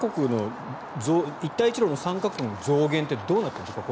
一帯一路の参加国の増減ってどうなっているんですか？